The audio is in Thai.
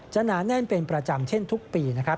หนาแน่นเป็นประจำเช่นทุกปีนะครับ